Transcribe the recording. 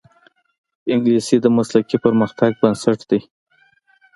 انګلیسي د مسلکي پرمختګ بنسټ دی